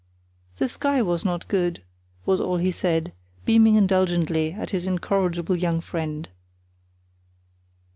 "The sky was not good," was all he said, beaming indulgently at his incorrigible young friend.